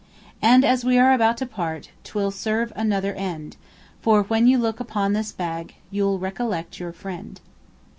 And, as we are about to part, 'T will serve another end: For, when you look upon this bag, You'll recollect your friend.